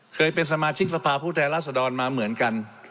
เคยเป็นสมาชิกสภาพผู้แทนรัศดรมาเหมือนกัน